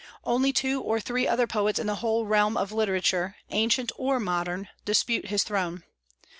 Only two or three other poets in the whole realm of literature, ancient or modern, dispute his throne.